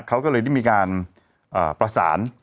เขาก็เลยได้มีการประสาน